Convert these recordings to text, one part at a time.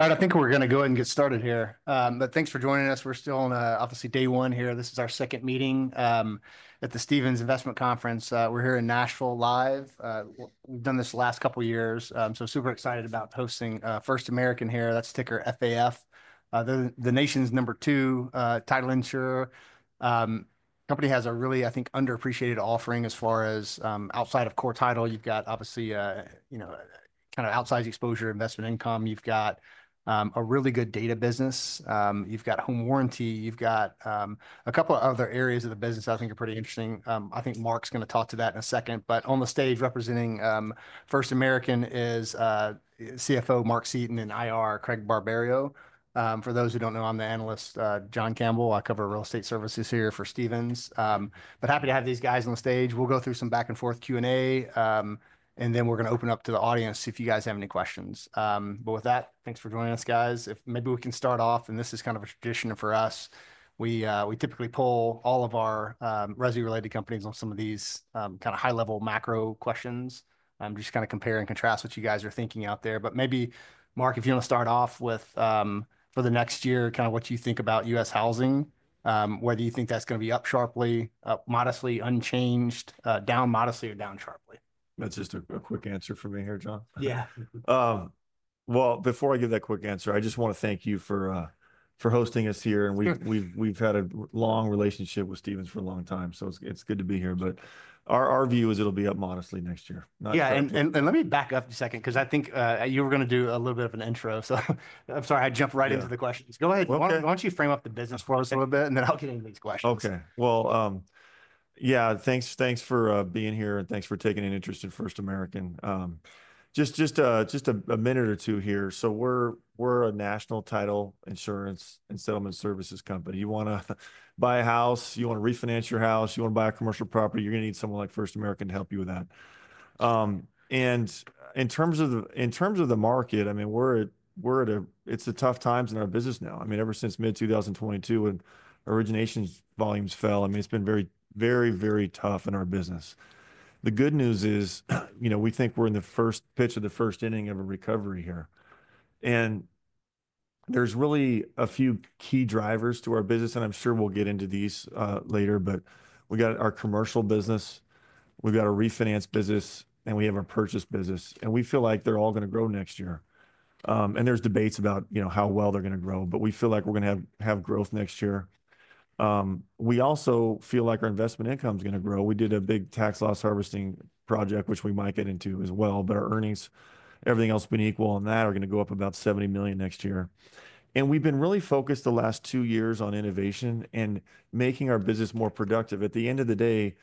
All right, I think we're going to go ahead and get started here. But thanks for joining us. We're still on, obviously, day one here. This is our second meeting at the Stephens Investment Conference. We're here in Nashville live. We've done this the last couple of years. So super excited about hosting First American here. That's ticker FAF. The nation's number two title insurer. The company has a really, I think, underappreciated offering as far as outside of core title. You've got, obviously, you know, kind of outsized exposure, investment income. You've got a really good data business. You've got home warranty. You've got a couple of other areas of the business I think are pretty interesting. I think Mark is going to talk to that in a second. But on the stage representing First American is CFO Mark Seaton and IR Craig Barberio. For those who don't know, I'm the analyst, John Campbell. I cover real estate services here for Stephens. But happy to have these guys on the stage. We'll go through some back and forth Q&A, and then we're going to open up to the audience if you guys have any questions. But with that, thanks for joining us, guys. If maybe we can start off, and this is kind of a tradition for us, we typically poll all of our real estate-related companies on some of these kind of high-level macro questions. I'm just kind of compare and contrast what you guys are thinking out there. But maybe, Mark, if you want to start off with, for the next year, kind of what you think about U.S. housing, whether you think that's going to be up sharply, modestly unchanged, down modestly, or down sharply. That's just a quick answer for me here, John. Yeah. Before I give that quick answer, I just want to thank you for hosting us here. We've had a long relationship with Stephens for a long time. It's good to be here, but our view is it'll be up modestly next year. Yeah. And let me back up a second because I think you were going to do a little bit of an intro. So I'm sorry I jumped right into the questions. Go ahead. Why don't you frame up the business for us a little bit, and then I'll get into these questions. Okay. Well, yeah, thanks for being here, and thanks for taking an interest in First American. Just a minute or two here. So we're a national title insurance and settlement services company. You want to buy a house, you want to refinance your house, you want to buy a commercial property, you're going to need someone like First American to help you with that. And in terms of the market, I mean, it's a tough time in our business now. I mean, ever since mid-2022 when origination volumes fell, I mean, it's been very, very, very tough in our business. The good news is, you know, we think we're in the first pitch of the first inning of a recovery here. And there's really a few key drivers to our business, and I'm sure we'll get into these later. But we've got our commercial business, we've got our refinance business, and we have our purchase business. And we feel like they're all going to grow next year. And there's debates about, you know, how well they're going to grow. But we feel like we're going to have growth next year. We also feel like our investment income is going to grow. We did a big tax loss harvesting project, which we might get into as well. But our earnings, everything else being equal on that, are going to go up about $70 million next year. And we've been really focused the last two years on innovation and making our business more productive. At the end of the day,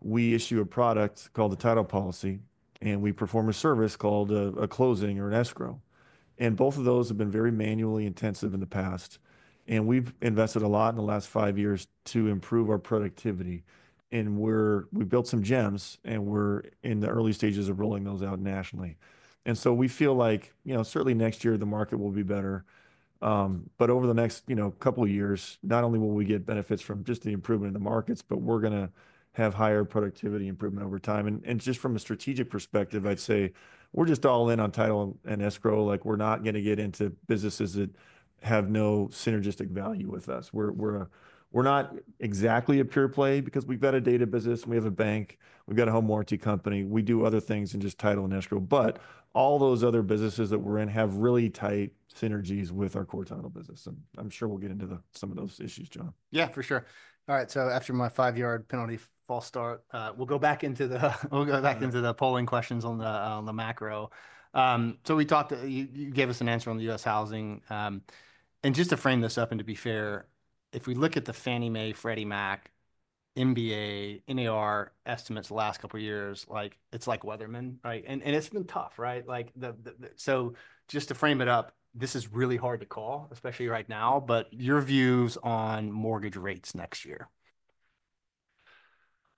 we issue a product called a title policy, and we perform a service called a closing or an escrow. And both of those have been very manually intensive in the past. And we've invested a lot in the last five years to improve our productivity. And we've built some gems, and we're in the early stages of rolling those out nationally. And so we feel like, you know, certainly next year, the market will be better. But over the next, you know, couple of years, not only will we get benefits from just the improvement in the markets, but we're going to have higher productivity improvement over time. And just from a strategic perspective, I'd say we're just all in on title and escrow. Like, we're not going to get into businesses that have no synergistic value with us. We're not exactly a pure play because we've got a data business, we have a bank, we've got a home warranty company, we do other things than just title and escrow. But all those other businesses that we're in have really tight synergies with our core title business. And I'm sure we'll get into some of those issues, John. Yeah, for sure. All right. So after my five-yard penalty false start, we'll go back into the polling questions on the macro. So you gave us an answer on the U.S. housing. And just to frame this up, and to be fair, if we look at the Fannie Mae, Freddie Mac, NBA, NAR estimates the last couple of years, like, it's like weatherman, right? And it's been tough, right? So just to frame it up, this is really hard to call, especially right now. But your views on mortgage rates next year?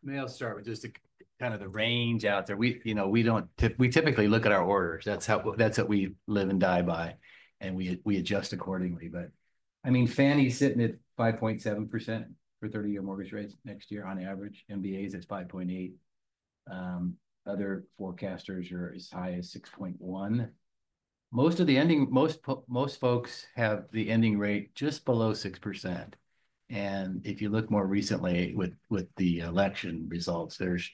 May I start with just kind of the range out there? You know, we typically look at our orders. That's what we live and die by. And we adjust accordingly. But I mean, Fannie's sitting at 5.7% for 30-year mortgage rates next year on average. NBA's at 5.8%. Other forecasters are as high as 6.1%. Most folks have the ending rate just below 6%. And if you look more recently with the election results, there's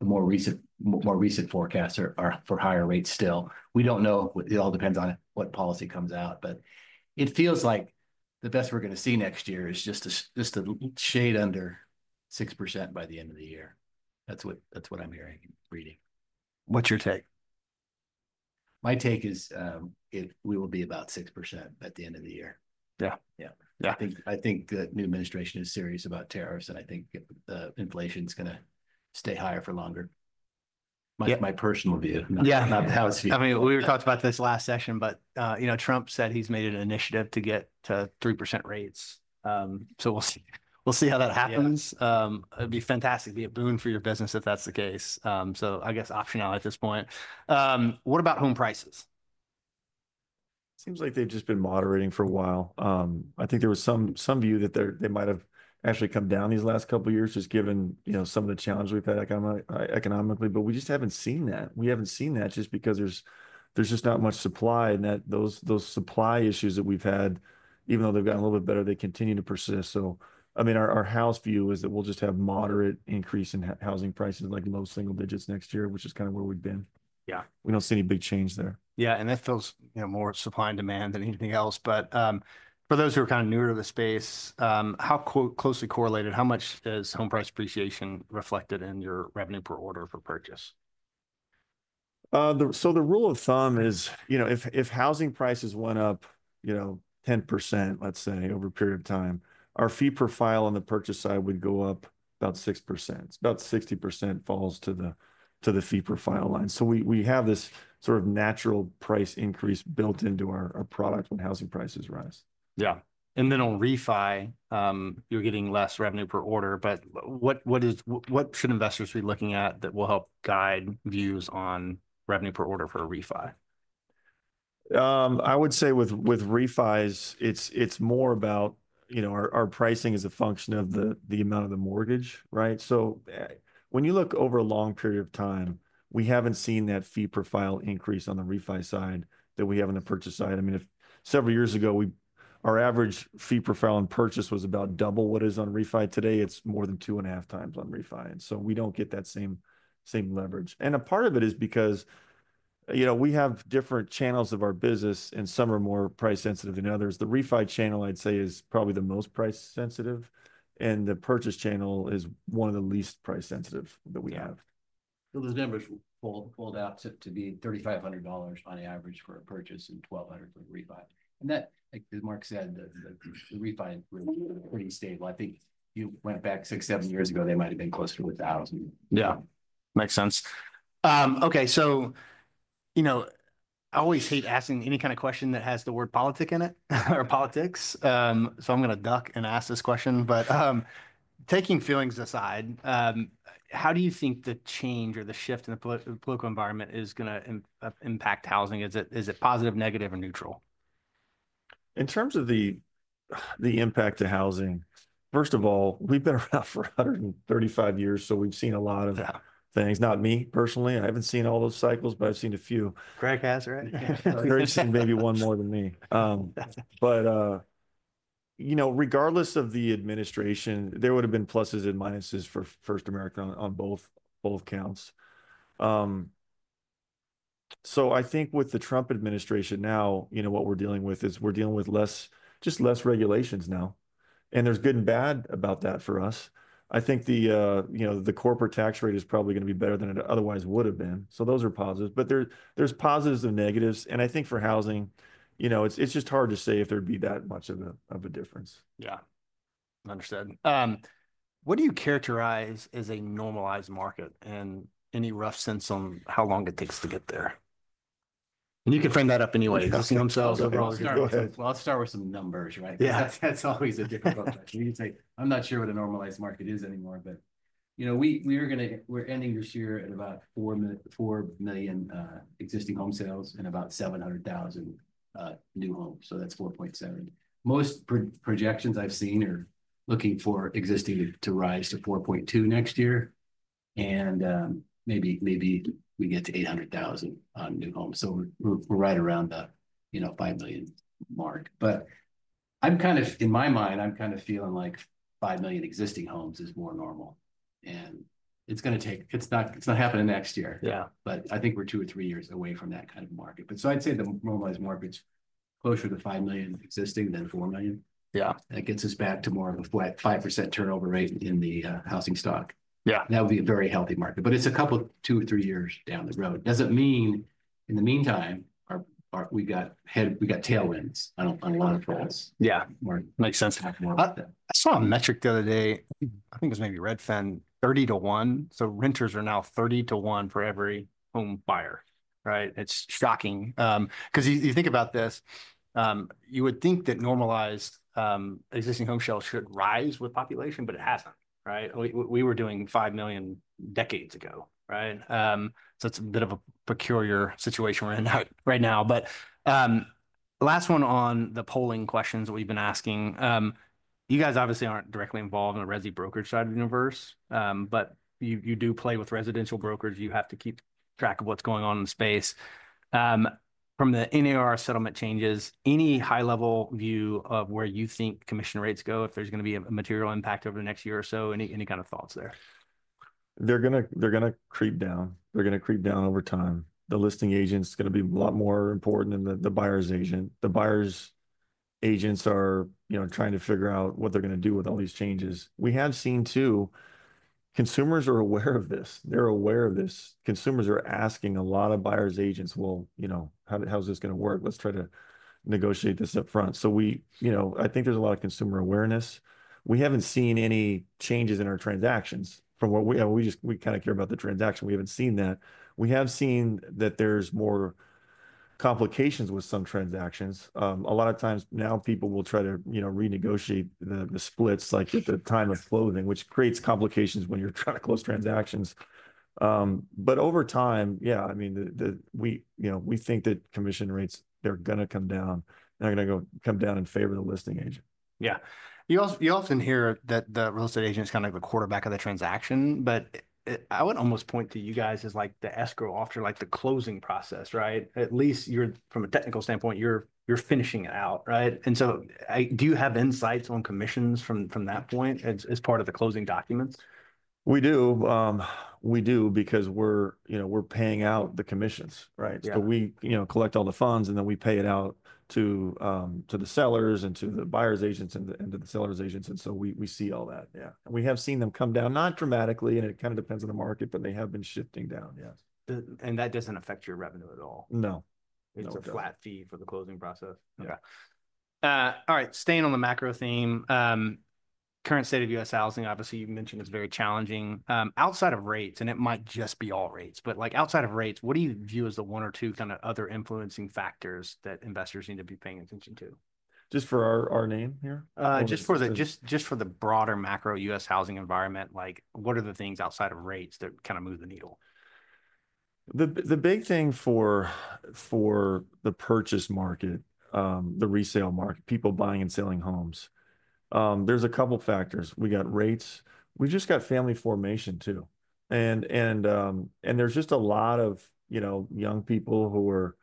a more recent forecast for higher rates still. We don't know. It all depends on what policy comes out. But it feels like the best we're going to see next year is just a shade under 6% by the end of the year. That's what I'm hearing, reading. What's your take? My take is we will be about 6% at the end of the year. Yeah. Yeah. I think the new administration is serious about tariffs, and I think inflation's going to stay higher for longer. My personal view. Yeah. Not the house. I mean, we were talking about this last session, but, you know, Trump said he's made an initiative to get to 3% rates. So we'll see how that happens. It'd be fantastic. It'd be a boon for your business if that's the case. So I guess optional at this point. What about home prices? Seems like they've just been moderating for a while. I think there was some view that they might have actually come down these last couple of years, just given, you know, some of the challenges we've had economically. But we just haven't seen that. We haven't seen that just because there's just not much supply. And those supply issues that we've had, even though they've gotten a little bit better, they continue to persist. So, I mean, our house view is that we'll just have moderate increase in housing prices, like low single digits next year, which is kind of where we've been. Yeah. We don't see any big change there. Yeah. And that feels, you know, more supply and demand than anything else. But for those who are kind of newer to the space, how closely correlated, how much is home price appreciation reflected in your revenue per order for purchase? So the rule of thumb is, you know, if housing prices went up, you know, 10%, let's say, over a period of time, our fee profile on the purchase side would go up about 6%. About 60% falls to the fee profile line. So we have this sort of natural price increase built into our product when housing prices rise. Yeah. And then on refi, you're getting less revenue per order. But what should investors be looking at that will help guide views on revenue per order for a refi? I would say with refis, it's more about, you know, our pricing is a function of the amount of the mortgage, right? So when you look over a long period of time, we haven't seen that fee profile increase on the refi side that we have on the purchase side. I mean, several years ago, our average fee profile on purchase was about double what it is on refi. Today, it's more than two and a half times on refi. And so we don't get that same leverage. And a part of it is because, you know, we have different channels of our business, and some are more price sensitive than others. The refi channel, I'd say, is probably the most price sensitive. And the purchase channel is one of the least price sensitive that we have. So those numbers pulled out to be $3,500 on average for a purchase and $1,200 for a refi. And that, like Mark said, the refi is pretty stable. I think you went back six, seven years ago, they might have been closer to $1,000. Yeah. Makes sense. Okay. So, you know, I always hate asking any kind of question that has the word politics in it or politics. So I'm going to duck and ask this question. But taking feelings aside, how do you think the change or the shift in the political environment is going to impact housing? Is it positive, negative, or neutral? In terms of the impact to housing, first of all, we've been around for 135 years, so we've seen a lot of things. Not me personally. I haven't seen all those cycles, but I've seen a few. Craig has, right? Craig's seen maybe one more than me. But you know, regardless of the administration, there would have been pluses and minuses for First American on both counts. So I think with the Trump administration now, you know, what we're dealing with is we're dealing with just less regulations now. And there's good and bad about that for us. I think the, you know, the corporate tax rate is probably going to be better than it otherwise would have been. So those are positives. But there's positives and negatives. And I think for housing, you know, it's just hard to say if there'd be that much of a difference. Yeah. Understood. What do you characterize as a normalized market? And any rough sense on how long it takes to get there? And you can frame that up any way. Home sales overall. Let's start with some numbers, right? Yeah. That's always a difficult question. You can say, I'm not sure what a normalized market is anymore. But, you know, we're ending this year at about 4 million existing home sales and about 700,000 new homes. So that's 4.7 million. Most projections I've seen are looking for existing to rise to 4.2 million next year. And maybe we get to 800,000 new homes. So we're right around the, you know, 5 million mark. But I'm kind of, in my mind, I'm kind of feeling like 5 million existing homes is more normal. And it's going to take, it's not happening next year. Yeah. But I think we're two years or three years away from that kind of market. But so I'd say the normalized market's closer to 5 million existing than 4 million. Yeah. That gets us back to more of a 5% turnover rate in the housing stock. Yeah. That would be a very healthy market. But it's a couple of two years or three years down the road. Doesn't mean in the meantime, we've got tailwinds on a lot of things. Yeah. Makes sense. I saw a metric the other day. I think it was maybe Redfin. 30 to 1. So renters are now 30 to 1 for every home buyer, right? It's shocking. Because you think about this, you would think that normalized existing home sales should rise with population, but it hasn't, right? We were doing five million decades ago, right? So it's a bit of a peculiar situation right now. But last one on the polling questions that we've been asking. You guys obviously aren't directly involved in the resi brokerage side of the universe. But you do play with residential brokers. You have to keep track of what's going on in the space. From the NAR settlement changes, any high-level view of where you think commission rates go if there's going to be a material impact over the next year or so? Any kind of thoughts there? They're going to creep down. They're going to creep down over time. The listing agent's going to be a lot more important than the buyer's agent. The buyer's agents are, you know, trying to figure out what they're going to do with all these changes. We have seen, too, consumers are aware of this. They're aware of this. Consumers are asking a lot of buyer's agents, well, you know, how's this going to work? Let's try to negotiate this upfront. So we, you know, I think there's a lot of consumer awareness. We haven't seen any changes in our transactions from what we just, we kind of care about the transaction. We haven't seen that. We have seen that there's more complications with some transactions. A lot of times now people will try to, you know, renegotiate the splits like at the time of closing, which creates complications when you're trying to close transactions. But over time, yeah, I mean, we, you know, we think that commission rates, they're going to come down. They're going to come down in favor of the listing agent. Yeah. You often hear that the real estate agent is kind of like the quarterback of the transaction. But I would almost point to you guys as like the escrow officer, like the closing process, right? At least from a technical standpoint, you're finishing it out, right? And so do you have insights on commissions from that point as part of the closing documents? We do. We do because we're, you know, we're paying out the commissions, right? So we, you know, collect all the funds, and then we pay it out to the sellers and to the buyer's agents and to the seller's agents. And so we see all that, yeah. And we have seen them come down, not dramatically, and it kind of depends on the market, but they have been shifting down, yes. That doesn't affect your revenue at all? No. It's a flat fee for the closing process? No. Okay. All right. Staying on the macro theme, current state of U.S. housing, obviously you mentioned it's very challenging. Outside of rates, and it might just be all rates, but like outside of rates, what do you view as the one or two kind of other influencing factors that investors need to be paying attention to? Just for our name here? Just for the broader macro U.S. housing environment, like what are the things outside of rates that kind of move the needle? The big thing for the purchase market, the resale market, people buying and selling homes, there's a couple of factors. We got rates. We just got family formation, too. And there's just a lot of, you know, young people who are,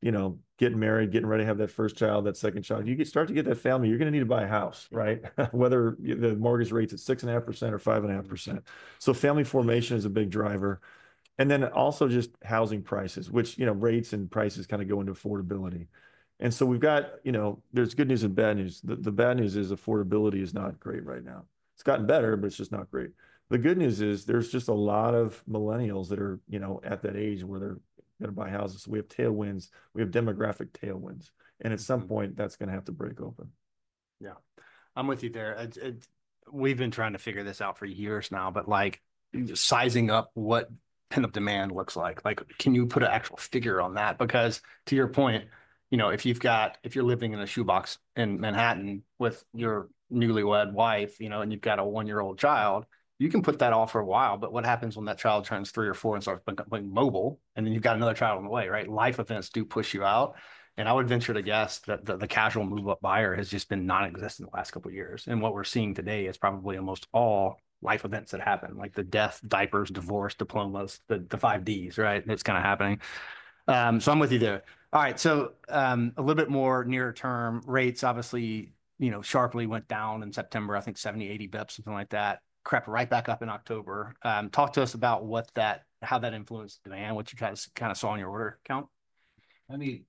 you know, getting married, getting ready to have that first child, that second child. You start to get that family, you're going to need to buy a house, right? Whether the mortgage rate's at 6.5% or 5.5%. So family formation is a big driver. And then also just housing prices, which, you know, rates and prices kind of go into affordability. And so we've got, you know, there's good news and bad news. The bad news is affordability is not great right now. It's gotten better, but it's just not great. The good news is there's just a lot of millennials that are, you know, at that age where they're going to buy houses. We have tailwinds. We have demographic tailwinds. And at some point, that's going to have to break open. Yeah. I'm with you there. We've been trying to figure this out for years now, but like sizing up what kind of demand looks like. Like can you put an actual figure on that? Because to your point, you know, if you've got, if you're living in a shoebox in Manhattan with your newlywed wife, you know, and you've got a one-year-old child, you can put that off for a while. But what happens when that child turns three or four and starts becoming mobile? And then you've got another child on the way, right? Life events do push you out. And I would venture to guess that the casual move-up buyer has just been non-existent the last couple of years. And what we're seeing today is probably almost all life events that happen, like the death, diapers, divorce, diplomas, the 5Ds, right? That's kind of happening. So I'm with you there. All right. So a little bit more near-term rates, obviously, you know, sharply went down in September, I think 70 basis points-80 basis points, something like that. Crept right back up in October. Talk to us about what that, how that influenced demand, what you guys kind of saw in your order count. I mean,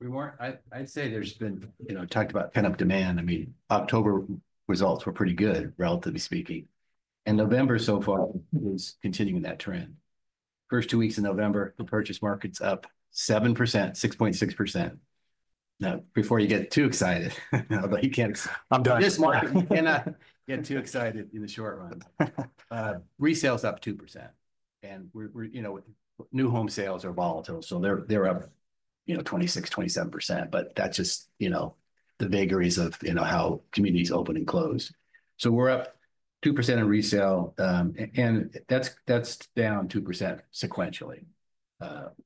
we weren't. I'd say there's been, you know, talk about pent-up demand. I mean, October results were pretty good, relatively speaking. And November so far is continuing that trend. First two weeks in November, the purchase market's up 7%, 6.6%. Now, before you get too excited, although you can't. I'm done. This market, you cannot get too excited in the short run. Resale's up 2%, and we're, you know, new home sales are volatile, so they're up, you know, 26%-27%. But that's just, you know, the vagaries of, you know, how communities open and close, so we're up 2% in resale, and that's down 2% sequentially.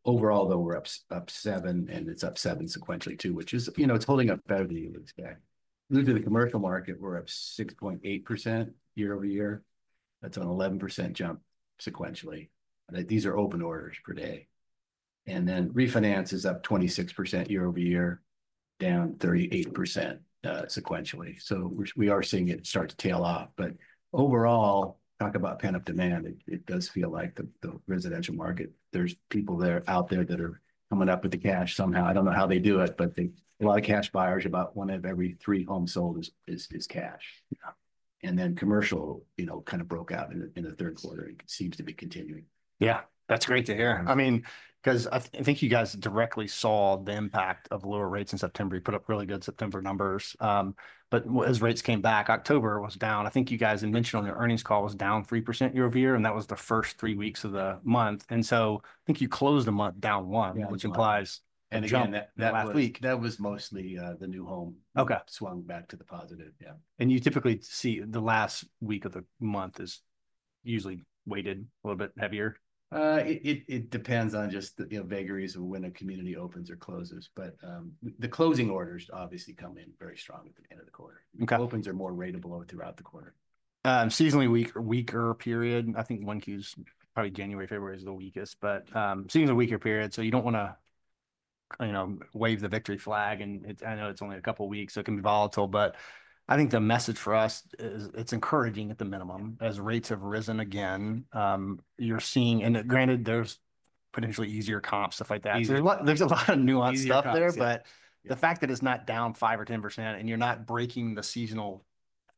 Overall, though, we're up 7%, and it's up 7% sequentially, too, which is, you know, it's holding up better than you would expect. Looking at the commercial market, we're up 6.8% year-over-year. That's an 11% jump sequentially. These are open orders per day, and then refinance is up 26% year-over-year, down 38% sequentially, so we are seeing it start to tail off, but overall, talk about pent-up demand, it does feel like the residential market, there's people there out there that are coming up with the cash somehow. I don't know how they do it, but a lot of cash buyers, about one of every three homes sold, is cash, and then commercial, you know, kind of broke out in the third quarter and seems to be continuing. Yeah. That's great to hear. I mean, because I think you guys directly saw the impact of lower rates in September. You put up really good September numbers. But as rates came back, October was down. I think you guys had mentioned on your earnings call was down 3% year-over-year. And that was the first three weeks of the month. And so I think you closed the month down 1%, which implies that last week. That was mostly the new home swung back to the positive. Yeah. You typically see the last week of the month is usually weighted a little bit heavier? It depends on just the, you know, vagaries of when a community opens or closes. But the closing orders obviously come in very strong at the end of the quarter. Okay. Opens are more ratable throughout the quarter. Seasonally weaker period. I think one Q's probably January, February is the weakest. But seasonally weaker period. So you don't want to, you know, wave the victory flag. And I know it's only a couple of weeks. So it can be volatile. But I think the message for us is it's encouraging at the minimum. As rates have risen again, you're seeing, and granted, there's potentially easier comps, stuff like that. There's a lot of nuanced stuff there. But the fact that it's not down 5% or 10% and you're not breaking the seasonal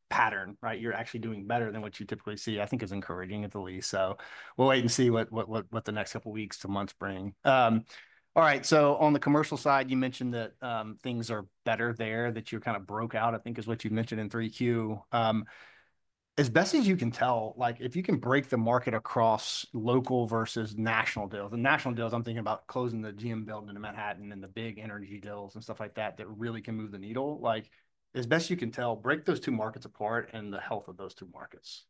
pattern, right? You're actually doing better than what you typically see, I think is encouraging at the least. So we'll wait and see what the next couple of weeks to months bring. All right. So on the commercial side, you mentioned that things are better there, that you kind of broke out, I think is what you mentioned in 3Q. As best as you can tell, like if you can break the market across local versus national deals, and national deals, I'm thinking about closing the GM building in Manhattan and the big energy deals and stuff like that that really can move the needle. Like as best you can tell, break those two markets apart and the health of those two markets.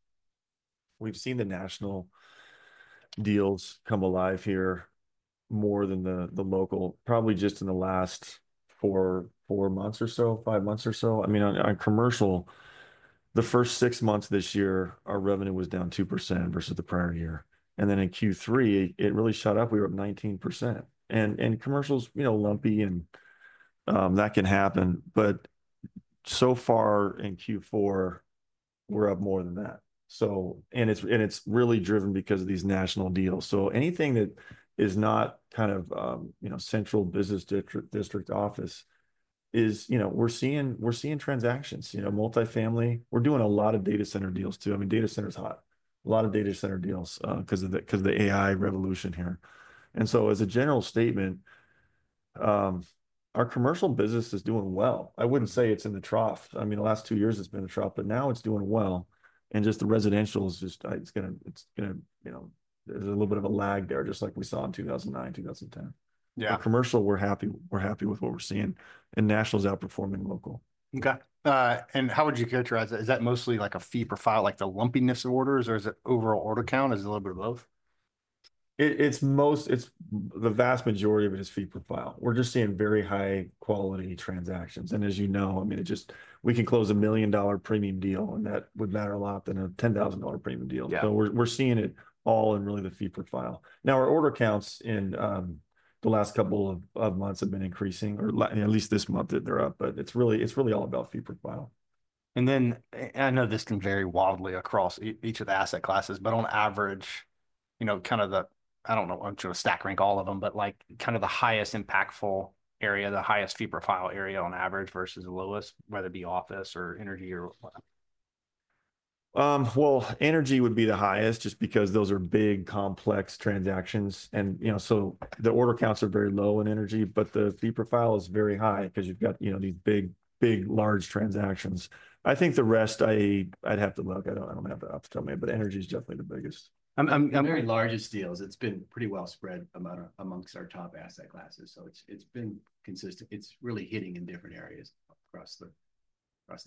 We've seen the national deals come alive here more than the local, probably just in the last four months or so, five months or so. I mean, on commercial, the first six months this year, our revenue was down 2% versus the prior year. And then in Q3, it really shot up. We were up 19%. And commercial's, you know, lumpy and that can happen. But so far in Q4, we're up more than that. So, and it's really driven because of these national deals. So anything that is not kind of, you know, central business district office is, you know, we're seeing transactions, you know, multifamily. We're doing a lot of data center deals, too. I mean, data center's hot. A lot of data center deals because of the AI revolution here. And so as a general statement, our commercial business is doing well. I wouldn't say it's in the trough. I mean, the last two years it's been in the trough, but now it's doing well, and just the residential is just, it's going to, you know, there's a little bit of a lag there, just like we saw in 2009, 2010. Yeah. Commercial, we're happy with what we're seeing, and national's outperforming local. Okay. And how would you characterize that? Is that mostly like a fee profile, like the lumpiness of orders, or is it overall order count? Is it a little bit of both? It's the vast majority of it is fee profile. We're just seeing very high quality transactions, and as you know, I mean, it just, we can close a million-dollar premium deal, and that would matter a lot than a $10,000 premium deal, so we're seeing it all in really the fee profile. Now, our order counts in the last couple of months have been increasing, or at least this month they're up, but it's really all about fee profile. And then I know this can vary wildly across each of the asset classes, but on average, you know, kind of the, I don't know, I'm not going to stack rank all of them, but like kind of the highest impactful area, the highest fee profile area on average versus the lowest, whether it be office or energy or what? Energy would be the highest just because those are big, complex transactions. You know, the order counts are very low in energy, but the fee profile is very high because you've got, you know, these big, big large transactions. I think the rest, I'd have to look. I don't have the opportunity to tell you, but energy is definitely the biggest. Very largest deals. It's been pretty well spread amongst our top asset classes. So it's been consistent. It's really hitting in different areas across the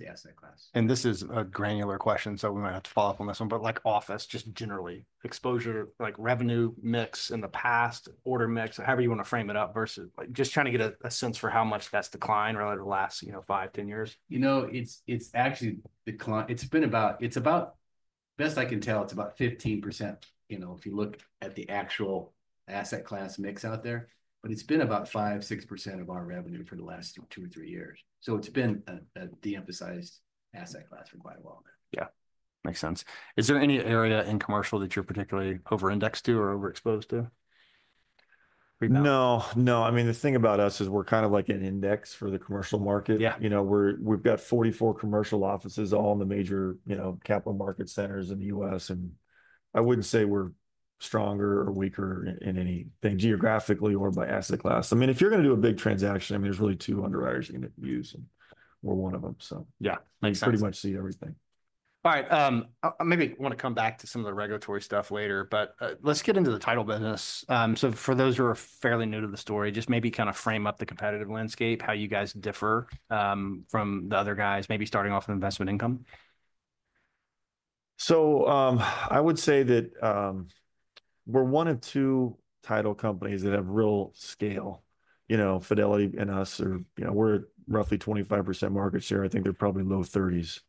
asset class. This is a granular question, so we might have to follow up on this one. Like office, just generally, exposure, like revenue mix in the past, order mix, however you want to frame it up versus just trying to get a sense for how much that's declined over the last, you know, five, ten years? You know, it's actually declined. It's been about, it's about, best I can tell, it's about 15%, you know, if you look at the actual asset class mix out there. But it's been about 5%-6% of our revenue for the last two years or three years. So it's been a de-emphasized asset class for quite a while now. Yeah. Makes sense. Is there any area in commercial that you're particularly over-indexed to or overexposed to? No, no. I mean, the thing about us is we're kind of like an index for the commercial market. You know, we've got 44 commercial offices all in the major, you know, capital market centers in the U.S. And I wouldn't say we're stronger or weaker in anything geographically or by asset class. I mean, if you're going to do a big transaction, I mean, there's really two underwriters you're going to use. And we're one of them. So you pretty much see everything. All right. Maybe want to come back to some of the regulatory stuff later, but let's get into the title business. So for those who are fairly new to the story, just maybe kind of frame up the competitive landscape, how you guys differ from the other guys, maybe starting off with investment income. So I would say that we're one of two title companies that have real scale, you know, Fidelity and us are, you know, we're roughly 25% market share. I think they're probably low 30s.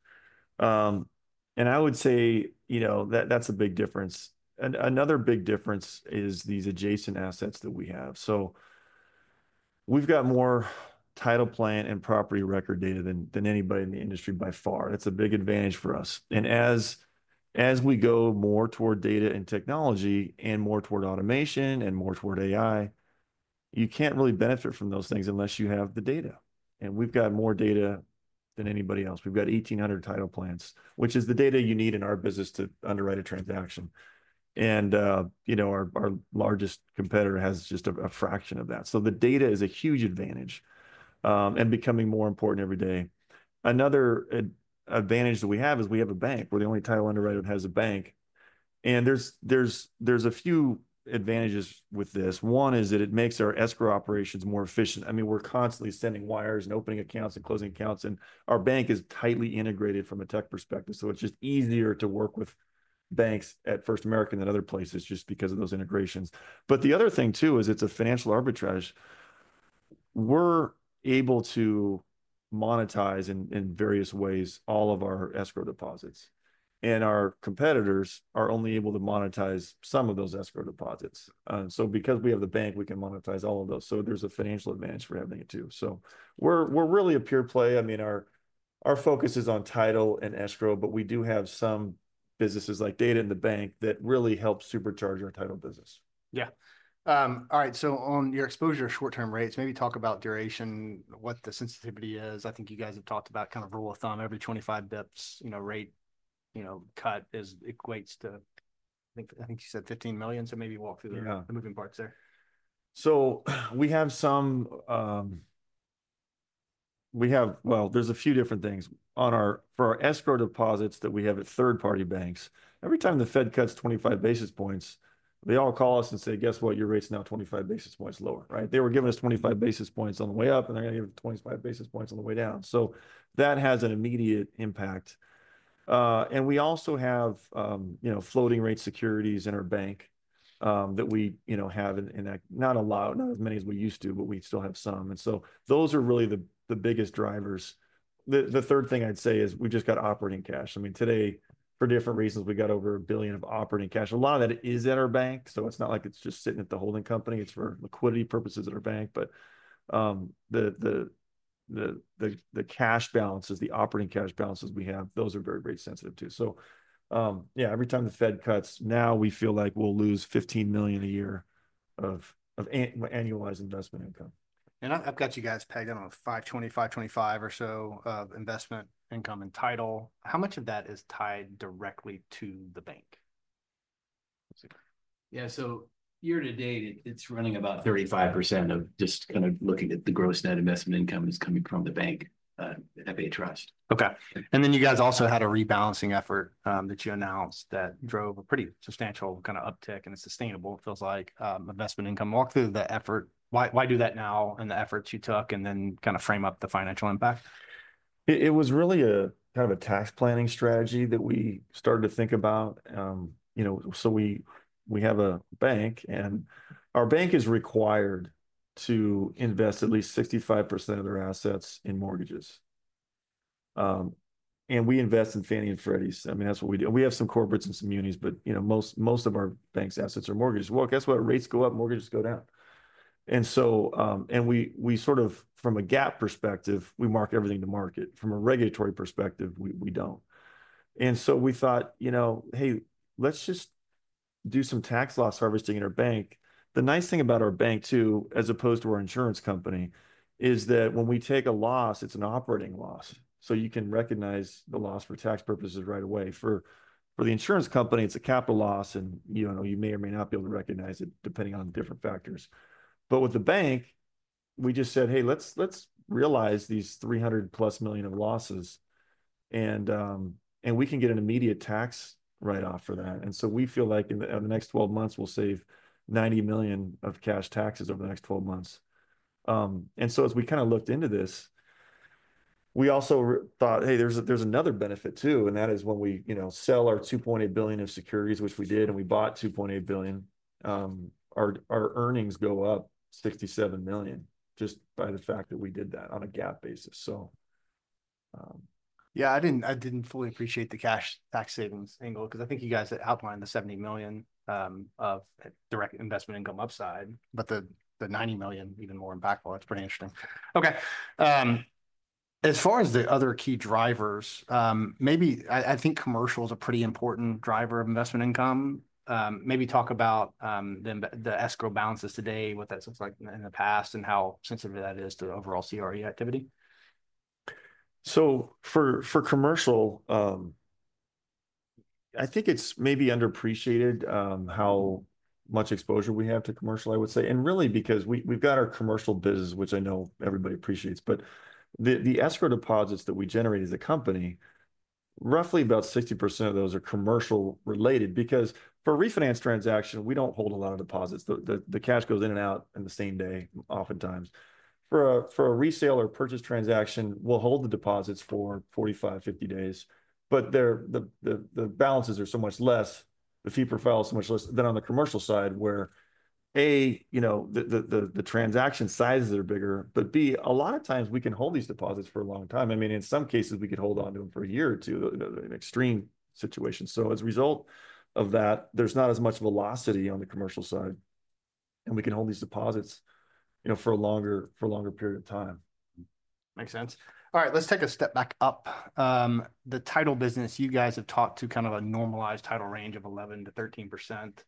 And I would say, you know, that's a big difference. Another big difference is these adjacent assets that we have. So we've got more title plant and property record data than anybody in the industry by far. That's a big advantage for us. And as we go more toward data and technology and more toward automation and more toward AI, you can't really benefit from those things unless you have the data. And we've got more data than anybody else. We've got 1,800 title plants, which is the data you need in our business to underwrite a transaction. And, you know, our largest competitor has just a fraction of that. So the data is a huge advantage and becoming more important every day. Another advantage that we have is we have a bank. We're the only title underwriter that has a bank. And there's a few advantages with this. One is that it makes our escrow operations more efficient. I mean, we're constantly sending wires and opening accounts and closing accounts. And our bank is tightly integrated from a tech perspective. So it's just easier to work with banks at First American than other places just because of those integrations. But the other thing, too, is it's a financial arbitrage. We're able to monetize in various ways all of our escrow deposits. And our competitors are only able to monetize some of those escrow deposits. So because we have the bank, we can monetize all of those. So there's a financial advantage for having it, too. So we're really a pure play. I mean, our focus is on title and escrow, but we do have some businesses like data and the bank that really help supercharge our title business. Yeah. All right. So on your exposure short-term rates, maybe talk about duration, what the sensitivity is. I think you guys have talked about kind of rule of thumb, every 25 basis points, you know, rate, you know, cut equates to, I think you said $15 million. So maybe walk through the moving parts there. So we have some, well, there's a few different things for our escrow deposits that we have at third-party banks. Every time the Fed cuts 25 basis points, they all call us and say, "Guess what? Your rate's now 25 basis points lower," right? They were giving us 25 basis points on the way up, and they're going to give us 25 basis points on the way down. So that has an immediate impact. And we also have, you know, floating rate securities in our bank that we, you know, have in that, not a lot, not as many as we used to, but we still have some. And so those are really the biggest drivers. The third thing I'd say is we just got operating cash. I mean, today, for different reasons, we got over $1 billion of operating cash. A lot of that is in our bank. So it's not like it's just sitting at the holding company. It's for liquidity purposes at our bank. But the cash balances, the operating cash balances we have, those are very, very sensitive, too. So yeah, every time the Fed cuts, now we feel like we'll lose $15 million a year of annualized investment income. I've got you guys pegged on a 520, 525 or so of investment income and title. How much of that is tied directly to the bank? Yeah. So year to date, it's running about 35% of just kind of looking at the gross net investment income that's coming from the bank, the Trust. Okay. And then you guys also had a rebalancing effort that you announced that drove a pretty substantial kind of uptick and a sustainable, it feels like, investment income. Walk through the effort. Why do that now and the efforts you took and then kind of frame up the financial impact? It was really a kind of a tax planning strategy that we started to think about. You know, so we have a bank, and our bank is required to invest at least 65% of their assets in mortgages. And we invest in Fannie and Freddie's. I mean, that's what we do. And we have some corporates and some munis, but you know, most of our bank's assets are mortgages. Well, guess what? Rates go up, mortgages go down. And so, and we sort of, from a gap perspective, we mark everything to market. From a regulatory perspective, we don't. And so we thought, you know, hey, let's just do some tax loss harvesting in our bank. The nice thing about our bank, too, as opposed to our insurance company, is that when we take a loss, it's an operating loss. So you can recognize the loss for tax purposes right away. For the insurance company, it's a capital loss, and you know, you may or may not be able to recognize it depending on different factors. But with the bank, we just said, "Hey, let's realize these $300+ million of losses, and we can get an immediate tax write-off for that." And so we feel like in the next 12 months, we'll save $90 million of cash taxes over the next 12 months. And so as we kind of looked into this, we also thought, "Hey, there's another benefit, too." And that is when we, you know, sell our $2.8 billion of securities, which we did, and we bought $2.8 billion. Our earnings go up $67 million just by the fact that we did that on a GAAP basis. So. Yeah, I didn't fully appreciate the cash tax savings angle because I think you guys had outlined the $70 million of direct investment income upside, but the $90 million even more impactful. That's pretty interesting. Okay. As far as the other key drivers, maybe I think commercial is a pretty important driver of investment income. Maybe talk about the escrow balances today, what that looks like in the past, and how sensitive that is to overall CRE activity. So, for commercial, I think it's maybe underappreciated how much exposure we have to commercial, I would say. And really because we've got our commercial business, which I know everybody appreciates, but the escrow deposits that we generate as a company, roughly about 60% of those are commercial related because for refinance transactions, we don't hold a lot of deposits. The cash goes in and out in the same day oftentimes. For a resale or purchase transaction, we'll hold the deposits for 45 days, 50 days. But the balances are so much less, the fee profile is so much less than on the commercial side where, A, you know, the transaction sizes are bigger, but B, a lot of times we can hold these deposits for a long time. I mean, in some cases, we could hold on to them for a year or two, an extreme situation. So as a result of that, there's not as much velocity on the commercial side. And we can hold these deposits, you know, for a longer period of time. Makes sense. All right, let's take a step back up. The title business, you guys have talked to kind of a normalized title range of 11%-13%.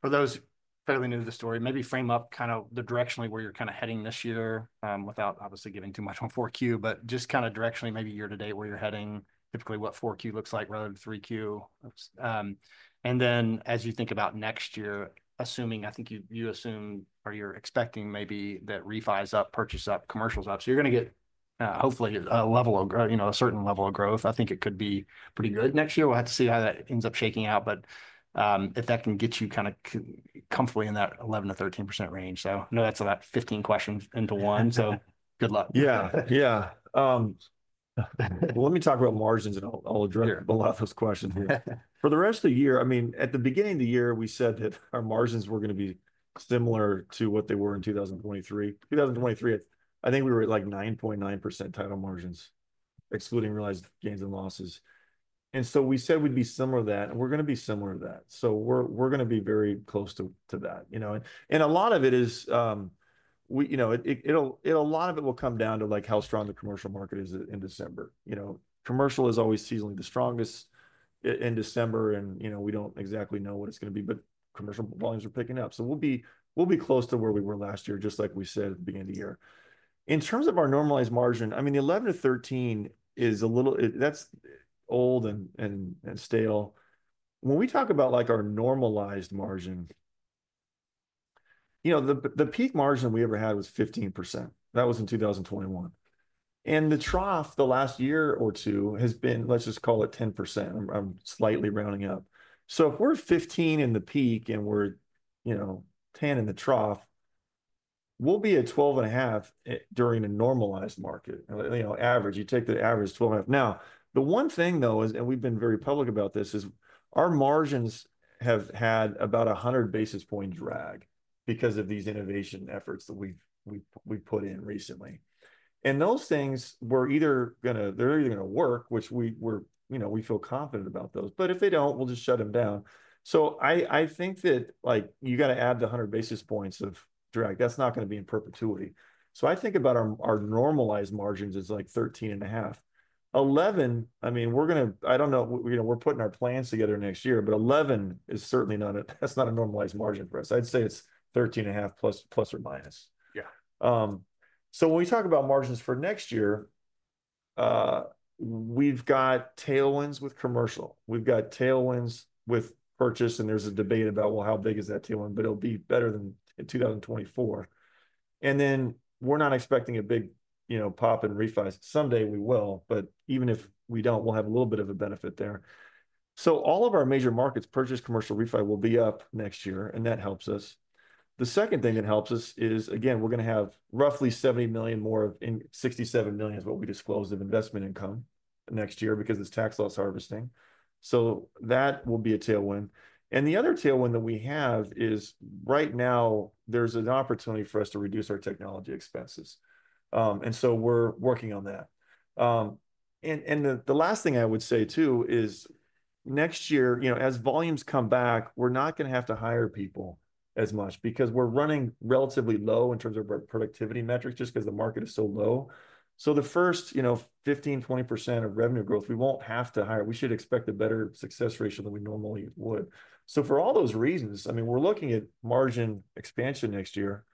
For those fairly new to the story, maybe frame up kind of the directionally where you're kind of heading this year without obviously giving too much on 4Q, but just kind of directionally maybe year to date where you're heading, typically what 4Q looks like rather than 3Q, and then as you think about next year, assuming, I think you assume or you're expecting maybe that refi's up, purchase's up, commercial's up. So you're going to get hopefully a level of, you know, a certain level of growth. I think it could be pretty good next year. We'll have to see how that ends up shaking out, but if that can get you kind of comfortably in that 11%-13% range. So I know that's about 15 questions into one. So good luck. Yeah, yeah. Well, let me talk about margins, and I'll address a lot of those questions here. For the rest of the year, I mean, at the beginning of the year, we said that our margins were going to be similar to what they were in 2023. 2023, I think we were at like 9.9% title margins, excluding realized gains and losses. And so we said we'd be similar to that, and we're going to be similar to that. So we're going to be very close to that, you know. And a lot of it is, you know, a lot of it will come down to like how strong the commercial market is in December. You know, commercial is always seasonally the strongest in December, and you know, we don't exactly know what it's going to be, but commercial volumes are picking up. We'll be close to where we were last year, just like we said at the beginning of the year. In terms of our normalized margin, I mean, the 11%-13% is a little, that's old and stale. When we talk about like our normalized margin, you know, the peak margin we ever had was 15%. That was in 2021. The trough the last year or two has been, let's just call it 10%. I'm slightly rounding up. If we're 15% in the peak and we're, you know, 10% in the trough, we'll be at 12.5% during a normalized market, you know, average. You take the average 12.5%. Now, the one thing though is, and we've been very public about this, is our margins have had about 100 basis points drag because of these innovation efforts that we've put in recently. Those things were either going to, they're either going to work, which we were, you know, we feel confident about those. But if they don't, we'll just shut them down. So I think that like you got to add the 100 basis points of drag. That's not going to be in perpetuity. So I think about our normalized margins as like 13.5%. 11%, I mean, we're going to, I don't know, you know, we're putting our plans together next year, but 11% is certainly not a, that's not a normalized margin for us. I'd say it's 13.5% plus or minus. Yeah. So when we talk about margins for next year, we've got tailwinds with commercial. We've got tailwinds with purchase, and there's a debate about, well, how big is that tailwind, but it'll be better than in 2024. And then we're not expecting a big, you know, pop in refi. Someday we will, but even if we don't, we'll have a little bit of a benefit there. So all of our major markets, purchase, commercial, refi, will be up next year, and that helps us. The second thing that helps us is, again, we're going to have roughly 70 million more of, 67 million is what we disclosed, of investment income next year because it's tax loss harvesting. So that will be a tailwind. And the other tailwind that we have is right now there's an opportunity for us to reduce our technology expenses. And so we're working on that. The last thing I would say too is next year, you know, as volumes come back, we're not going to have to hire people as much because we're running relatively low in terms of our productivity metrics just because the market is so low. The first, you know, 15%-20% of revenue growth, we won't have to hire. We should expect a better success ratio than we normally would. For all those reasons, I mean, we're looking at margin expansion next year.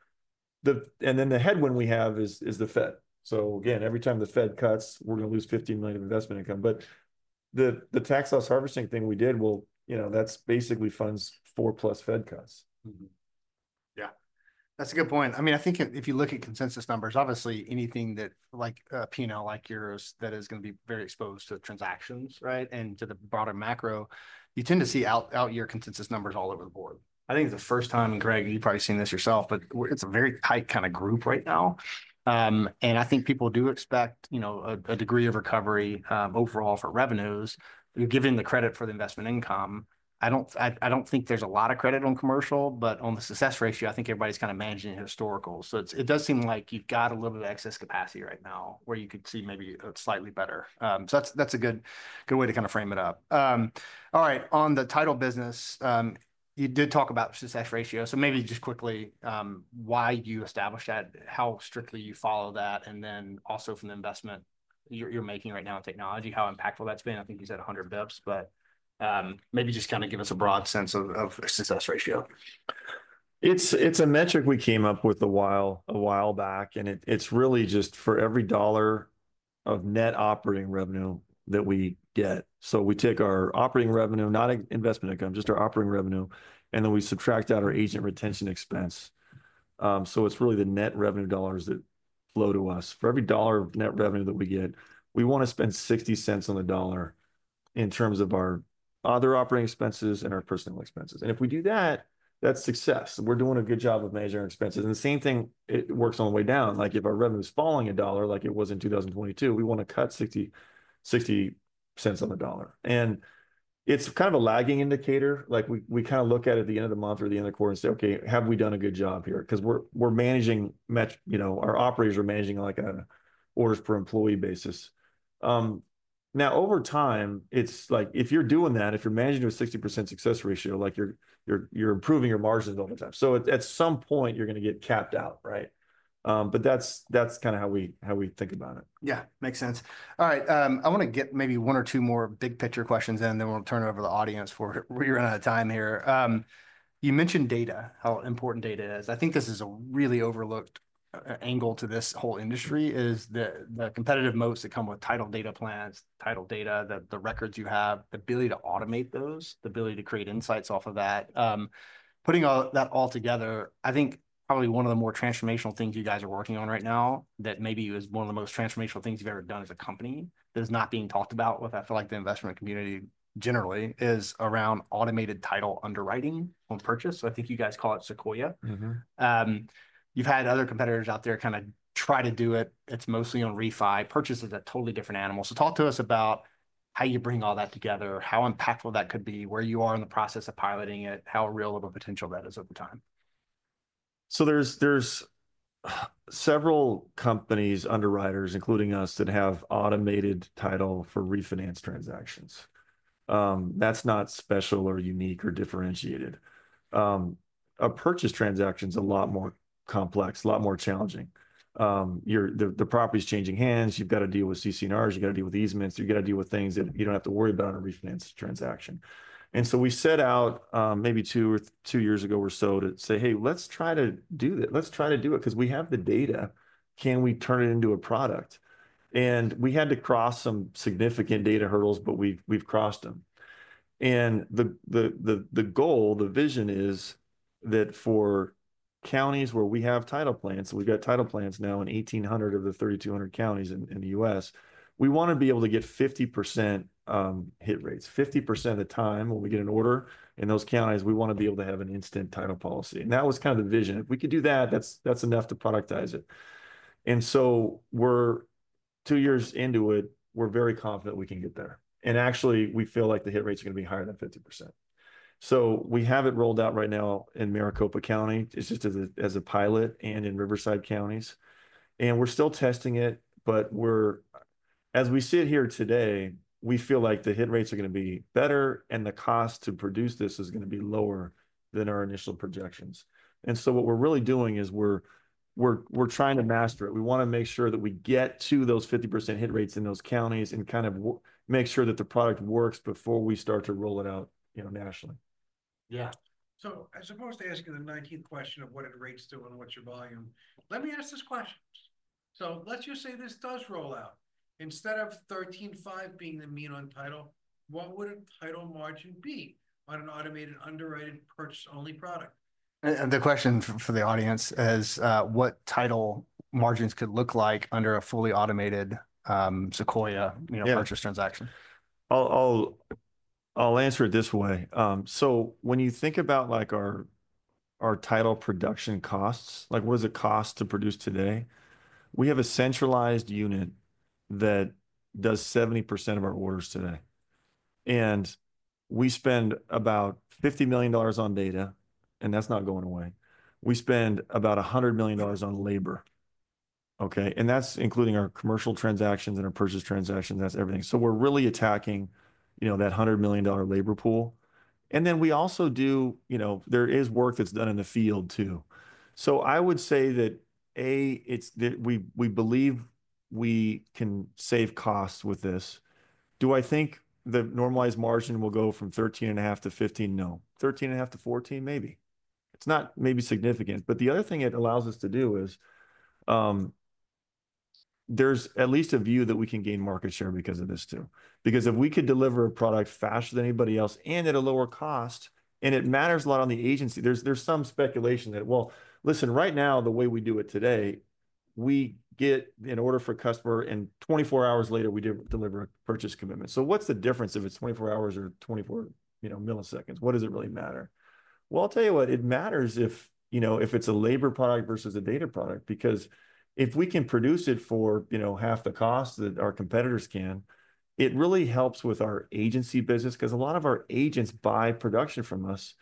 Then the headwind we have is the Fed. Again, every time the Fed cuts, we're going to lose $15 million of investment income. The tax loss harvesting thing we did, well, you know, that's basically funds four plus Fed cuts. Yeah. That's a good point. I mean, I think if you look at consensus numbers, obviously anything that like P&L like yours that is going to be very exposed to transactions, right? And to the broader macro, you tend to see out-year consensus numbers all over the board. I think it's the first time, Greg, you've probably seen this yourself, but it's a very tight kind of group right now. And I think people do expect, you know, a degree of recovery overall for revenues, given the credit for the investment income. I don't think there's a lot of credit on commercial, but on the success ratio, I think everybody's kind of managing historical. So it does seem like you've got a little bit of excess capacity right now where you could see maybe it's slightly better. So that's a good way to kind of frame it up. All right. On the title business, you did talk about success ratio. So maybe just quickly why you established that, how strictly you follow that, and then also from the investment you're making right now in technology, how impactful that's been. I think you said 100 basis points, but maybe just kind of give us a broad sense of success ratio? It's a metric we came up with a while back, and it's really just for every dollar of net operating revenue that we get. So we take our operating revenue, not investment income, just our operating revenue, and then we subtract out our agent retention expense. So it's really the net revenue dollars that flow to us. For every dollar of net revenue that we get, we want to spend 60 cents on the dollar in terms of our other operating expenses and our personnel expenses. And if we do that, that's success. We're doing a good job of managing our expenses. And the same thing works on the way down. Like if our revenue is falling a dollar like it was in 2022, we want to cut 60 cents on the dollar. And it's kind of a lagging indicator. Like we kind of look at it at the end of the month or the end of the quarter and say, "Okay, have we done a good job here?" Because we're managing, you know, our operators are managing like an orders per employee basis. Now over time, it's like if you're doing that, if you're managing a 60% success ratio, like you're improving your margins all the time. So at some point, you're going to get capped out, right? But that's kind of how we think about it. Yeah, makes sense. All right. I want to get maybe one or two more big picture questions, and then we'll turn it over to the audience before you're running out of time here. You mentioned data, how important data is. I think this is a really overlooked angle to this whole industry: the competitive moats that come with title plants, title data, the records you have, the ability to automate those, the ability to create insights off of that. Putting that all together, I think probably one of the more transformational things you guys are working on right now that maybe is one of the most transformational things you've ever done as a company that is not being talked about. With, I feel like, the investment community generally, it's around automated title underwriting on purchase. So I think you guys call it Sequoia. You've had other competitors out there kind of try to do it. It's mostly on refi. Purchase is a totally different animal. So talk to us about how you bring all that together, how impactful that could be, where you are in the process of piloting it, how real of a potential that is over time. So there's several companies, underwriters, including us, that have automated title for refinance transactions. That's not special or unique or differentiated. A purchase transaction is a lot more complex, a lot more challenging. The property's changing hands. You've got to deal with CC&Rs. You've got to deal with easements. You've got to deal with things that you don't have to worry about on a refinance transaction. And so we set out maybe two years ago or so to say, "Hey, let's try to do this. Let's try to do it because we have the data. Can we turn it into a product?" And we had to cross some significant data hurdles, but we've crossed them. The goal, the vision is that for counties where we have title plants, so we've got title plants now in 1,800 counties of the 3,200 counties in the U.S., we want to be able to get 50% hit rates, 50% of the time when we get an order in those counties, we want to be able to have an instant title policy. That was kind of the vision. If we could do that, that's enough to productize it. We're two years into it, we're very confident we can get there. Actually, we feel like the hit rate's going to be higher than 50%. We have it rolled out right now in Maricopa County. It's just as a pilot and in Riverside County. And we're still testing it, but as we sit here today, we feel like the hit rates are going to be better and the cost to produce this is going to be lower than our initial projections. And so what we're really doing is we're trying to master it. We want to make sure that we get to those 50% hit rates in those counties and kind of make sure that the product works before we start to roll it out, you know, nationally. Yeah. So I supposed to ask you the 19th question of what it relates to and what's your volume. Let me ask this question. So let's just say this does roll out. Instead of 13.5 being the mean on title, what would a title margin be on an automated underwriting purchase-only product? The question for the audience is what title margins could look like under a fully automated Sequoia, you know, purchase transaction. I'll answer it this way. So when you think about like our title production costs, like what does it cost to produce today? We have a centralized unit that does 70% of our orders today. And we spend about $50 million on data, and that's not going away. We spend about $100 million on labor. Okay? And that's including our commercial transactions and our purchase transactions. That's everything. So we're really attacking, you know, that $100 million labor pool. And then we also do, you know, there is work that's done in the field too. So I would say that, A, it's that we believe we can save costs with this. Do I think the normalized margin will go from 13.5%-15%? No. 13.5%-14%, maybe. It's not maybe significant. But the other thing it allows us to do is there's at least a view that we can gain market share because of this too. Because if we could deliver a product faster than anybody else and at a lower cost, and it matters a lot on the agency, there's some speculation that, well, listen, right now, the way we do it today, we get an order for a customer, and 24 hours later, we deliver a purchase commitment. So what's the difference if it's 24 hours or 24, you know, milliseconds? What does it really matter? Well, I'll tell you what, it matters if, you know, if it's a labor product versus a data product. Because if we can produce it for, you know, half the cost that our competitors can, it really helps with our agency business because a lot of our agents buy production from us.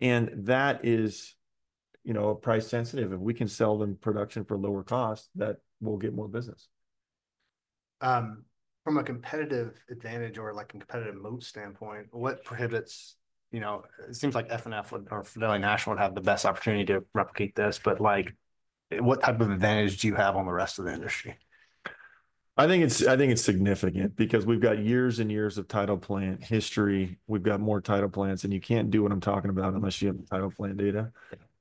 That is, you know, price sensitive. If we can sell them production for lower cost, that will get more business. From a competitive advantage or like a competitive moat standpoint, what prohibits, you know, it seems like FNF or Fidelity National would have the best opportunity to replicate this, but like what type of advantage do you have on the rest of the industry? I think it's significant because we've got years and years of title plant history. We've got more title plants, and you can't do what I'm talking about unless you have title plant data.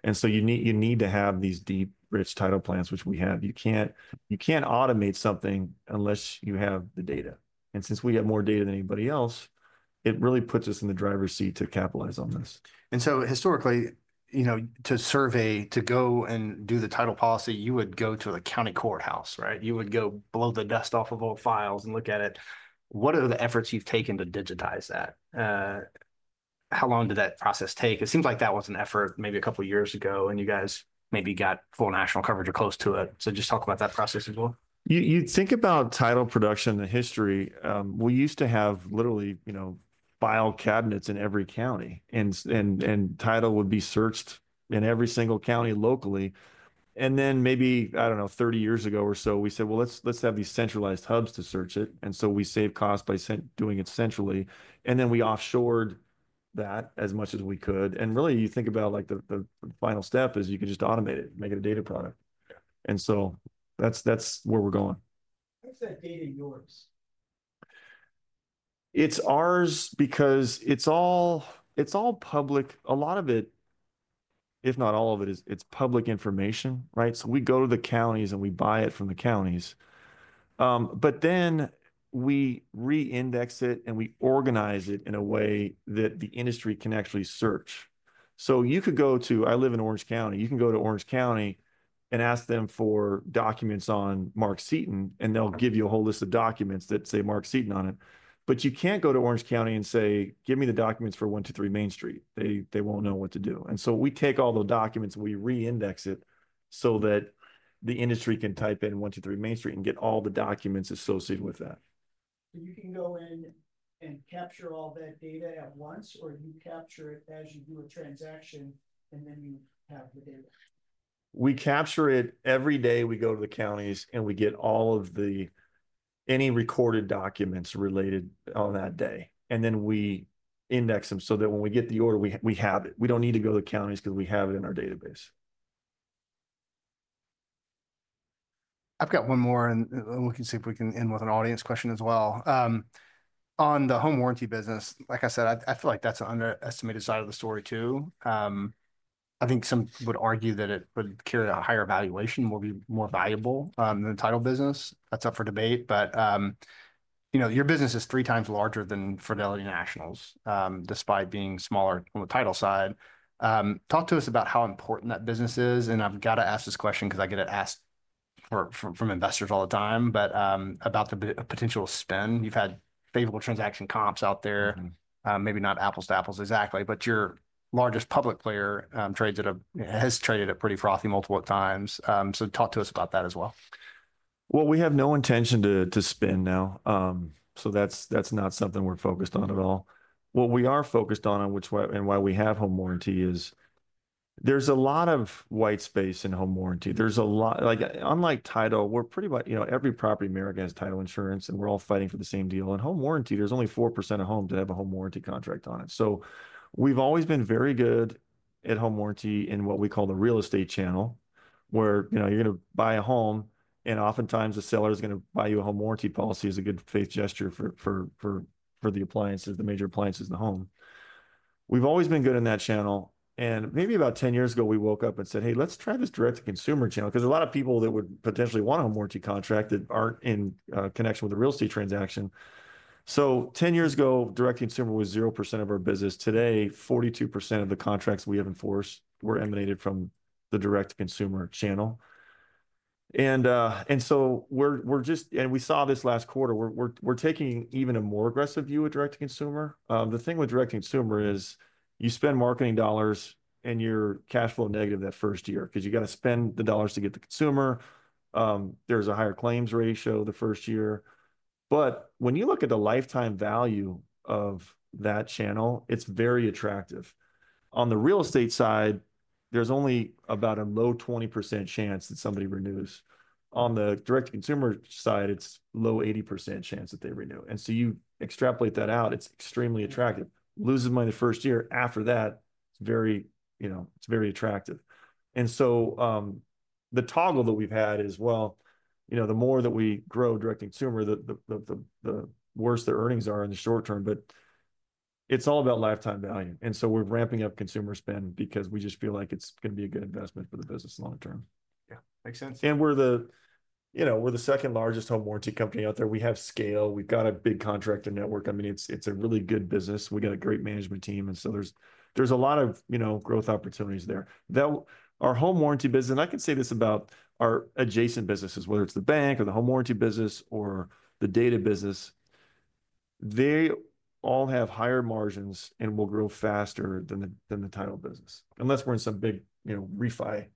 And so you need to have these deep, rich title plants, which we have. You can't automate something unless you have the data. And since we have more data than anybody else, it really puts us in the driver's seat to capitalize on this. And so historically, you know, to survey, to go and do the title policy, you would go to the county courthouse, right? You would go blow the dust off of old files and look at it. What are the efforts you've taken to digitize that? How long did that process take? It seems like that was an effort maybe a couple of years ago, and you guys maybe got full national coverage or close to it. So just talk about that process as well. You think about title production and history. We used to have literally, you know, file cabinets in every county, and title would be searched in every single county locally. And then maybe, I don't know, 30 years ago or so, we said, well, let's have these centralized hubs to search it. And so we saved costs by doing it centrally. And then we offshored that as much as we could. And really, you think about like the final step is you can just automate it, make it a data product. And so that's where we're going. What's that data yours? It's ours because it's all public. A lot of it, if not all of it, it's public information, right? So we go to the counties and we buy it from the counties. But then we reindex it and we organize it in a way that the industry can actually search. So you could go to, I live in Orange County. You can go to Orange County and ask them for documents on Mark Seaton, and they'll give you a whole list of documents that say Mark Seaton on it. But you can't go to Orange County and say, "Give me the documents for 123 Main Street." They won't know what to do. And so we take all those documents and we reindex it so that the industry can type in 123 Main Street and get all the documents associated with that. You can go in and capture all that data at once, or you capture it as you do a transaction and then you have the data? We capture it every day. We go to the counties and we get all of the recorded documents related to that day, and then we index them so that when we get the order, we have it. We don't need to go to the counties because we have it in our database. I've got one more, and we can see if we can end with an audience question as well. On the home warranty business, like I said, I feel like that's an underestimated side of the story too. I think some would argue that it would carry a higher valuation, will be more valuable than the title business. That's up for debate. But you know, your business is three times larger than Fidelity National's despite being smaller on the title side. Talk to us about how important that business is. And I've got to ask this question because I get it asked from investors all the time, but about the potential spin. You've had favorable transaction comps out there. Maybe not apples to apples exactly, but your largest public player has traded at pretty frothy multiples. So talk to us about that as well. We have no intention to spend now. So that's not something we're focused on at all. What we are focused on and why we have home warranty is there's a lot of white space in home warranty. There's a lot, like unlike title, we're pretty much, you know, every property in America has title insurance and we're all fighting for the same deal. In home warranty, there's only 4% of homes that have a home warranty contract on it. So we've always been very good at home warranty in what we call the real estate channel, where, you know, you're going to buy a home and oftentimes the seller is going to buy you a home warranty policy as a good faith gesture for the appliances, the major appliances in the home. We've always been good in that channel. Maybe about 10 years ago, we woke up and said, "Hey, let's try this direct-to-consumer channel," because a lot of people that would potentially want a home warranty contract that aren't in connection with a real estate transaction. So 10 years ago, direct-to-consumer was 0% of our business. Today, 42% of the contracts we have enforced were emanated from the direct-to-consumer channel. And so we're just, and we saw this last quarter, we're taking even a more aggressive view with direct-to-consumer. The thing with direct-to-consumer is you spend marketing dollars and you're cash flow negative that first year because you got to spend the dollars to get the consumer. There's a higher claims ratio the first year. But when you look at the lifetime value of that channel, it's very attractive. On the real estate side, there's only about a low 20% chance that somebody renews. On the direct-to-consumer side, it's low 80% chance that they renew. And so you extrapolate that out, it's extremely attractive. Loses money the first year. After that, it's very, you know, it's very attractive. And so the toggle that we've had is, well, you know, the more that we grow direct-to-consumer, the worse the earnings are in the short term, but it's all about lifetime value. And so we're ramping up consumer spend because we just feel like it's going to be a good investment for the business long term. Yeah, makes sense. you know, we're the second largest home warranty company out there. We have scale. We've got a big contractor network. I mean, it's a really good business. We've got a great management team. And so there's a lot of, you know, growth opportunities there. Our home warranty business, and I can say this about our adjacent businesses, whether it's the bank or the home warranty business or the data business, they all have higher margins and will grow faster than the title business, unless we're in some big, you know, refi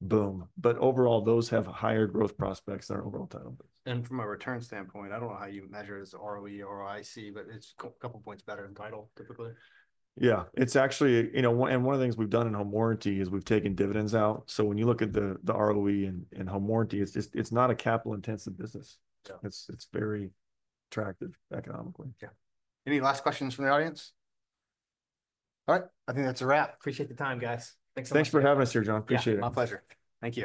boom. But overall, those have higher growth prospects than our overall title business. From a return standpoint, I don't know how you measure this ROE or ROIC, but it's a couple of points better than title typically. Yeah, it's actually, you know, and one of the things we've done in home warranty is we've taken dividends out, so when you look at the ROE in home warranty, it's just, it's not a capital-intensive business. It's very attractive economically. Yeah. Any last questions from the audience? All right. I think that's a wrap. Appreciate the time, guys. Thanks so much. Thanks for having us here, John. Appreciate it. My pleasure. Thank you.